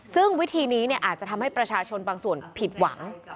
ซึ่งวิธีนี้อาจจะทำให้ประชาชนบางส่วนผิดหวัง